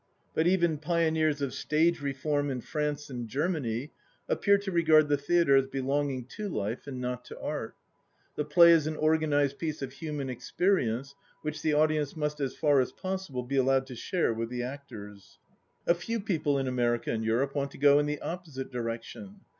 But even pioneers of stage reform in France and Germany appear to regard the theatre as belonging to life and not to art. The play is an organized piece of human experience which the audience must as far as possible be allowed to share with the actors. A few people in America and Europe want to go in the opposite direction.